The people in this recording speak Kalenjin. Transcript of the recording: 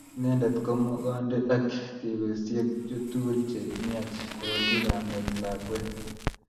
Inendet ko Makonde ak kewesiek chu tugul che miach kowolchi kamet lakwet